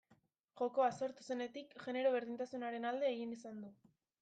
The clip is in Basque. Jokoa sortu zenetik genero berdintasunaren alde egin izan du.